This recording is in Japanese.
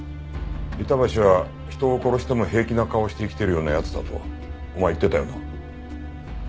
板橋は人を殺しても平気な顔をして生きてるような奴だとお前言ってたよな。